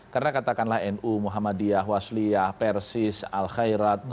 karena katakanlah nu muhammadiyah wasliyah persis al khairat